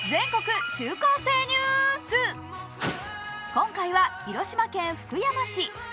今回は広島県福山市。